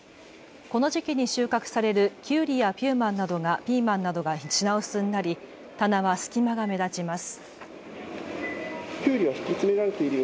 この時期に収穫されるキュウリやピーマンなどが品薄になり棚は隙間が目立ちます。